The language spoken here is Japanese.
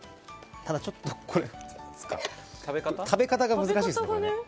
ただ、これ食べ方が難しいですね。